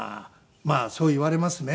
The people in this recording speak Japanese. まあそう言われますね。